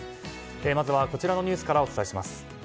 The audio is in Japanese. まずはこちらのニュースからお伝えします。